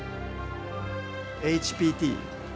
ＨＰＴ。